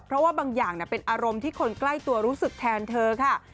เพราะว่าบางอย่างเป็นอารมณ์ที่คนใกล้ตัวรู้สึกแทนเธอค่ะ